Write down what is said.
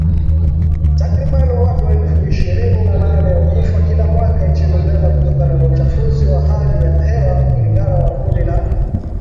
Takriban watu elfu ishirini na nane hufa kila mwaka nchini Uganda kutokana na uchafuzi wa hali ya hewa kulingana na kundi la